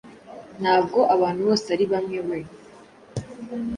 Ntabwo abantu bose ari bamwe we